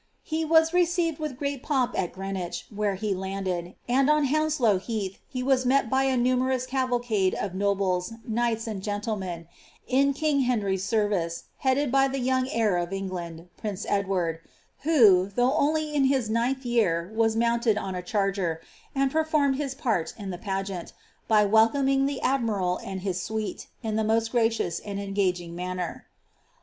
He was received with great pomp at Green wich, where he landed, and on Hounslow Heath he was met by a nu merous cavalcade of nobles, knights, and gentlemen, in king Henr)'''s service, headed by the young heir of England, prince Eldward, who, though only in his ninth year, was mounted on a charger, and performed his part in the pageant, by welcoming the admiral and his suite, in the most graceful and engaging manner.